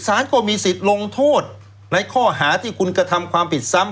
สารก็มีสิทธิ์ลงโทษในข้อหาที่คุณกระทำความผิดซ้ำ